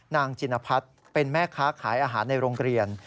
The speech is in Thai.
นางจิณภัทรเป็นแม่ค้าขายอาหารในโรงเรียน